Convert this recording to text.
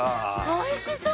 おいしそう！